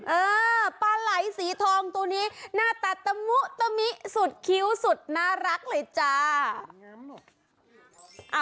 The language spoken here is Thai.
เออปลาไหลสีทองตัวนี้หน้าตาตะมุตะมิสุดคิ้วสุดน่ารักเลยจ้า